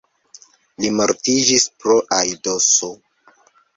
Li mortiĝis pro aidoso.